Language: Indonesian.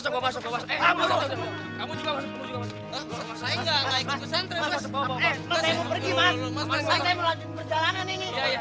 saya mau lanjutin perjalanan ini